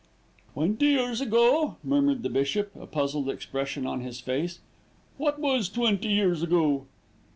"Twenty years ago!" murmured the bishop, a puzzled expression on his face. "What was twenty years ago?"